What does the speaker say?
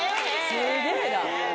すげぇな。